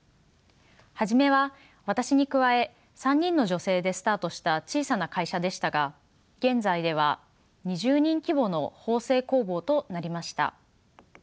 初めは私に加え３人の女性でスタートした小さな会社でしたが現在では２０人規模の縫製工房となりました。